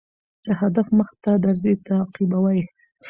چي هدف مخته درځي تعقيبوه يې